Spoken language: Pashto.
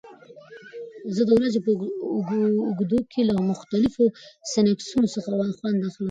زه د ورځې په اوږدو کې له مختلفو سنکسونو څخه خوند اخلم.